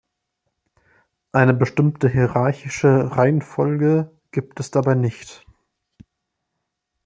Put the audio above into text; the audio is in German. Eine bestimmte hierarchische Reihenfolge gibt es dabei nicht.